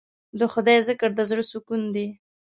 د خدای ذکر د زړه سکون دی.